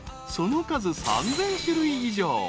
その数３，０００種類以上］